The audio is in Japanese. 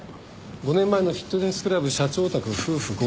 ５年前のフィットネスクラブ社長宅夫婦強盗殺人事件。